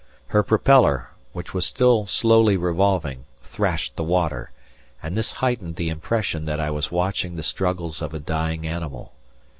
Her propeller, which was still slowly revolving, thrashed the water, and this heightened the impression that I was watching the struggles of a dying animal.